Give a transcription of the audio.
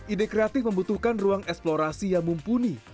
ide kreatif membutuhkan ruang eksplorasi yang mumpuni